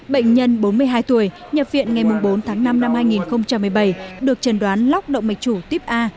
bệnh nhân bốn mươi hai tuổi nhập viện ngày bốn tháng năm năm hai nghìn một mươi bảy được trần đoán lóc động mạch chủ tiếp a